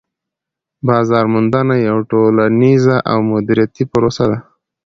بازار موندنه یوه ټولنيزه او دمدریتی پروسه ده